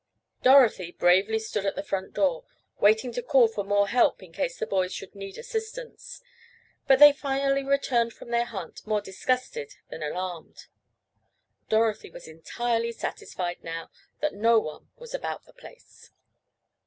Dorothy bravely stood at the front door, waiting to call for more help in case the boys should need assistance, but they finally returned from their hunt more disgusted than alarmed. Dorothy was entirely satisfied now that no one was about the place.